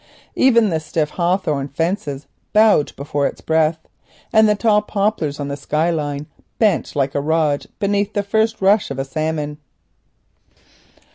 Even the stiff hawthorn fences bowed before its breath, and the tall poplars on the skyline bent like a rod beneath the first rush of a salmon.